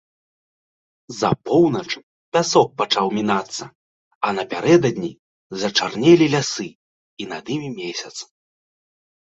За поўнач пясок пачаў мінацца, а напярэдадні зачарнелі лясы і над імі месяц.